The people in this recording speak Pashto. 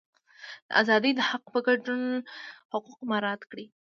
د ازادۍ د حق په ګډون حقوق مراعات کړي.